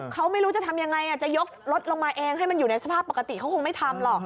เขาไม่รู้จะทำยังไงจะยกรถลงมาเองให้มันอยู่ในสภาพปกติเขาคงไม่ทำหรอก